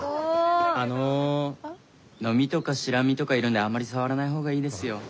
あのノミとかシラミとかいるんであんまり触らない方がいいですよ。